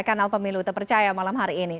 kanal pemilu terpercaya malam hari ini